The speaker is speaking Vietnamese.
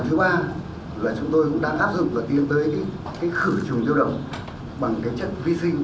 thứ ba là chúng tôi cũng đang áp dụng và tiến tới cái khử trùng tiêu động bằng cái chất vi sinh